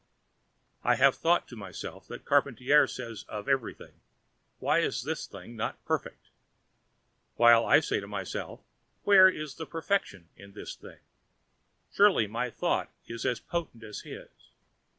I have thought to myself that Charpantier says of everything: "Why is this thing not perfect?" while I say to myself: "Where is the perfection in this thing?" Surely my thought is as potent as his.